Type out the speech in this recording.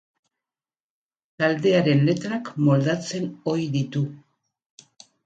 Taldearen letrak moldatzen ohi ditu.